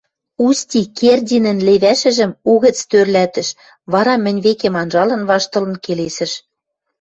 Усти Кердинӹн левӓшӹжӹм угӹц тӧрлӓлтӹш, вара, мӹнь векем анжалын, ваштылын келесӹш: